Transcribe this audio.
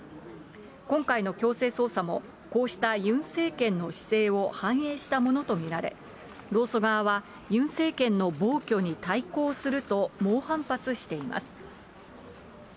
今回の強制捜査もこうしたユン政権の姿勢を反映したものと見られ、労組側はユン政権の暴挙に対抗すると猛反発しています。